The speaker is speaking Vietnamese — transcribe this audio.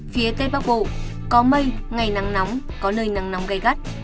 phía tây bắc bộ có mây ngày nắng nóng có nơi nắng nóng cay cắt